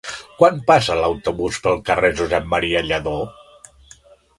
Quan passa l'autobús pel carrer Josep M. Lladó?